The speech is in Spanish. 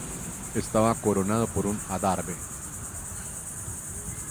Estaba coronado por un adarve.